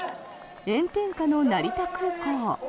炎天下の成田空港。